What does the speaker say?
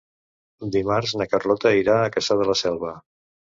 Dimarts na Carlota irà a Cassà de la Selva.